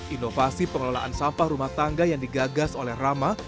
inovasi pengelolaan sampah rumah tangga yang digagas oleh rama